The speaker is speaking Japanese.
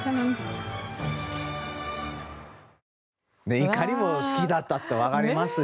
いかにも好きだったかって分かりますし